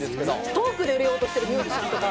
トークで売れようとしてるミュージシャンとか。